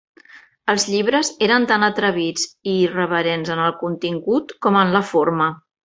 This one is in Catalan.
Els llibres eren tan atrevits i irreverents en el contingut com en la forma.